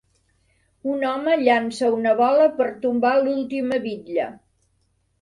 Un home llança una bola per tombar l'última bitlla.